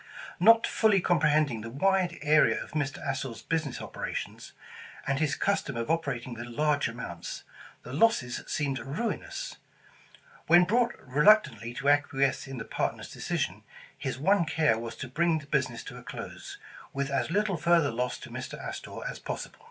Not fully comprehending the wide area of Mr. Astor's business operations, and his custom of operating with large amounts, the losses seemed ruinous. When brought re luctantly to acquiesce in the partners' decision, his one care was to bring the business to a close, with as little further loss to Mr. Astor as possible.